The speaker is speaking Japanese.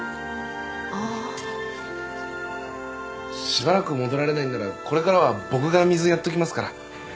しばらく戻られないんならこれからは僕が水やっときますから。